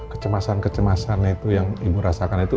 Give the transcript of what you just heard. kecemasan kecemasan itu yang ibu rasakan itu intens